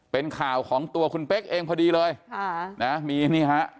เป็นข่าวของตัวคุณเป๊กเองพอดีเลยค่ะนะมีนี่ฮะ